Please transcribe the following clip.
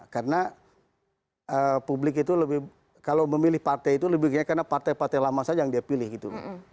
karena publik itu lebih kalau memilih partai itu lebih karena partai partai lama saja yang dipilih gitu